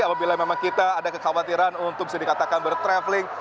apabila memang kita ada kekhawatiran untuk bisa dikatakan bertraveling